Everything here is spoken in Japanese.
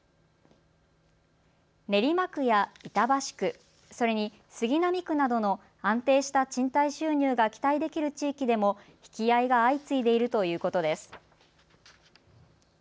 練馬区や板橋区、それに杉並区などの安定した賃貸収入が期待できる地域でも引き合いが相次いでいるということです。